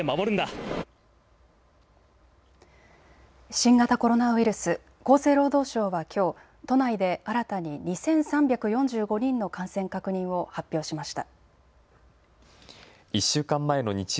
新型コロナウイルス、厚生労働省はきょう都内で新たに２３４５人の感染確認を発表しました。